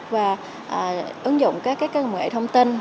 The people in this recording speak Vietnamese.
và ứng dụng các công nghệ thông tin